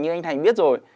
như anh thành biết rồi